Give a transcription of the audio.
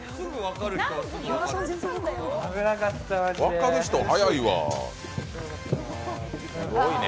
分かる人は早いね。